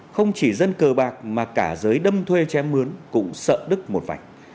không chỉ dân cờ bạc mà cả giới đâm thuê che mướn cũng sợ đức một vài